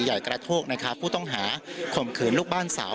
ใหญ่กระโทกนะครับผู้ต้องหาข่มขืนลูกบ้านสาว